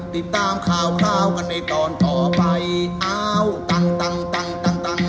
ติดตามข่าวข้าวกันในตอนต่อไปอ้าวตังค์ตังค์ตังค์ตังค์ตังค์